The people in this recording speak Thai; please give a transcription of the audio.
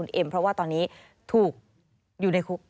เอ็มเพราะว่าตอนนี้ถูกอยู่ในคุก